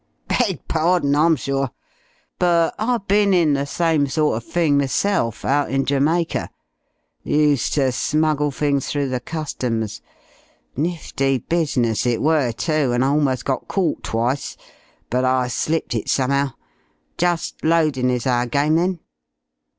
"Beg pardon, I'm sure. But I bin in the same sort uv thing meself out in Jamaica. Used ter smuggle things through the customs. Nifty business it were, too, and I almost got caught twice. But I slipped it somehow. Just loadin' is our game, then?"